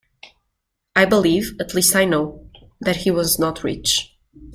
I believe — at least I know — that he was not rich.